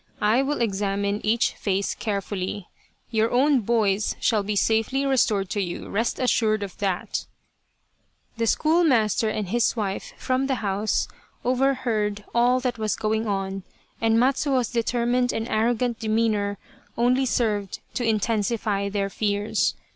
I will examine each face carefully. Your own boys shall be safely restored to you, rest assured of that !" The schoolmaster and his wife, from the house, overheard all that was going on, and Matsuo's deter mined and arrogant demeanour only served to in tensify their fears.